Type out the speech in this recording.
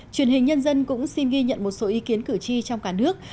truyền hình nhân dân cũng xin ghi nhận một số ý kiến cử tri trong cả nước